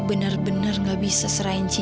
terima kasih bapak